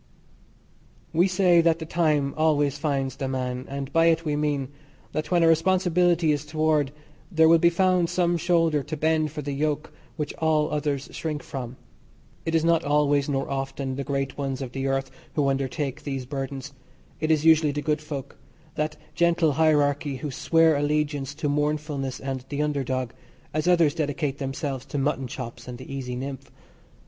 We say that the time always finds the man, and by it we mean: that when a responsibility is toward there will be found some shoulder to bend for the yoke which all others shrink from. It is not always nor often the great ones of the earth who undertake these burdens it is usually the good folk, that gentle hierarchy who swear allegiance to mournfulness and the under dog, as others dedicate themselves to mutton chops and the easy nymph.